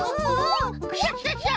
クシャシャシャ！